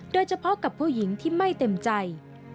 โดยเฉพาะกับผู้หญิงที่ไม่เต็มใจ